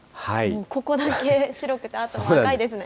ここだけ白くて、あとは赤いですね。